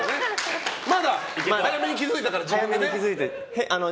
まだ、早めに気づいたからね。